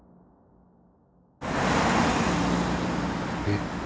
えっ？